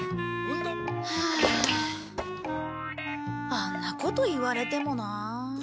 あんなこと言われてもなあ。